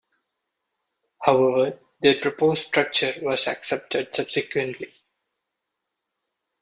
However, their proposed structure was accepted subsequently.